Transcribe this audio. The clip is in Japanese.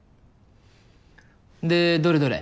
でどれどれ？